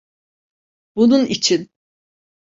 Bunun için!